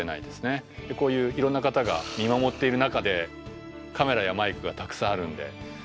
こういういろんな方が見守っている中でカメラやマイクがたくさんあるんで。